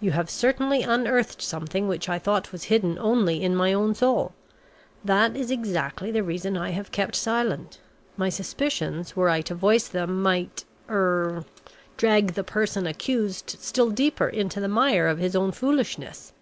"You have certainly unearthed something which I thought was hidden only in my own soul. That is exactly the reason I have kept silent; my suspicions were I to voice them, might er drag the person accused still deeper into the mire of his own foolishness.